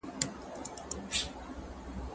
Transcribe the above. د مغولو راتګ د منځني ختیځ بڼه بدله کړه.